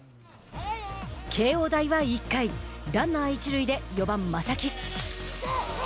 慶應大は１回ランナー一塁で４番正木。